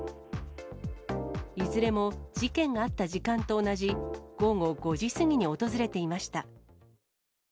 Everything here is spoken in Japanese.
いずれも事件があった時間と同じ午後５時過ぎに訪れていました。